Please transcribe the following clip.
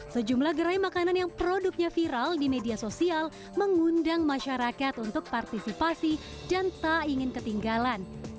sejumlah gerai makanan yang produknya viral di media sosial mengundang masyarakat untuk partisipasi dan tak ingin ketinggalan